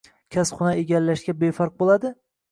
Kasb- hunar egallashga befarq bo‘ladi?